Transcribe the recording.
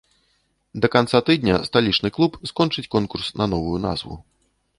Да канца тыдня сталічны клуб скончыць конкурс на новую назву.